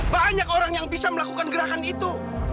banyak orang yang bisa melakukan gerakan itu